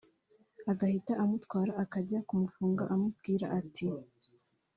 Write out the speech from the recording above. agahita amutwara akajya kumufunga amubwira ati